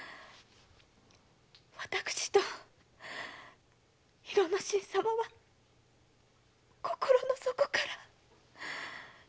私と広之進様は心の底から！